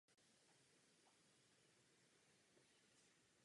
Existovaly také dvě speciální třídy většího a menšího řetězu.